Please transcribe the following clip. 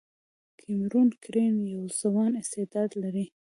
کیمرون ګرین یو ځوان استعداد لري.